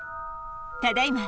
ただいま